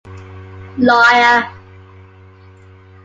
Liar.